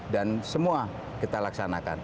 dan semua kita laksanakan